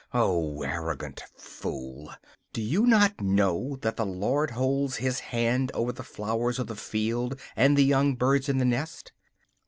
Oh, arrogant fool! Do you not know that the Lord holds His hand over the flowers of the field and the young birds in the nest?